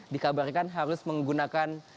dikabarkan harus menggunakan